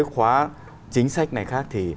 khóa chính sách này khác thì